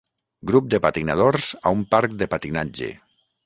Grup de patinadors a un parc de patinatge.